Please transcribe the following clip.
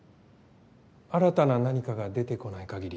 新たな何かが出てこない限り